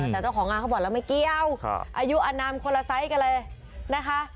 แต่เจ้าของงานเขาบอกแล้วไม่เกี่ยวอายุอนามคนละไซส์กันเลยนะคะ